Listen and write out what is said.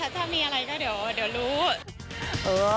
ถ้ามีอะไรก็เดี๋ยวรู้